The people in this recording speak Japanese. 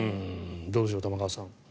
どうでしょう、玉川さん。